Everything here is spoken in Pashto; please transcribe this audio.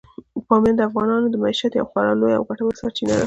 بامیان د افغانانو د معیشت یوه خورا لویه او ګټوره سرچینه ده.